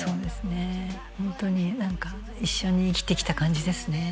ホントに何か一緒に生きてきた感じですね